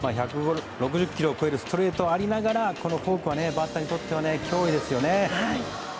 １６０キロを超えるストレートがありながらこのフォークはバッターにとっては脅威ですよね。